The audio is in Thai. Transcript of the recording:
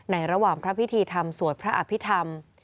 ระหว่างพระพิธีธรรมสวดพระอภิษฐรรม